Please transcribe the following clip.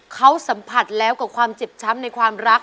เขาสัมผัสแล้วกับความเจ็บช้ำในความรัก